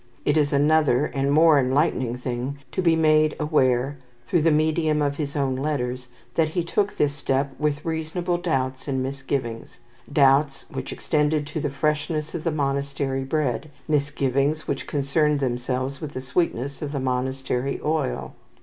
It is another and more enlightening thing to be made aware, through the medium of his own letters, that he took this step with reasonable doubts and misgivings, doubts which extended to the freshness of the monastery bread, misgivings which concerned themselves with the sweetness of the monastery oil.